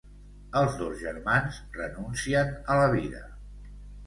Els dos germans renuncien a la vida.